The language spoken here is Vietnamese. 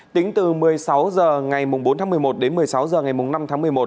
tính từ một mươi sáu h ngày bốn tháng một mươi một đến một mươi sáu h ngày năm tháng một mươi một